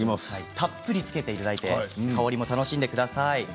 たっぷりつけていただいて香りも楽しんでください。